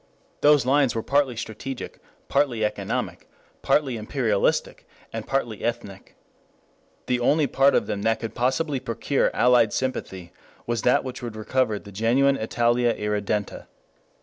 Those lines were partly strategic, partly economic, partly imperialistic, partly ethnic. The only part of them that could possibly procure allied sympathy was that which would recover the genuine Italia Irredenta.